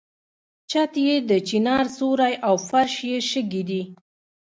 چت یې د چنار سیوری او فرش یې شګې دي.